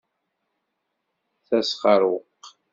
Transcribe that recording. D asxeṛweq.